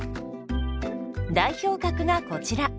代表格がこちら。